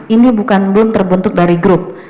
ini bukan boom terbentuk dari grup